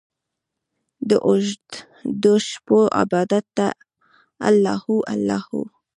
داوږدوشپو عبادته الله هو، الله هو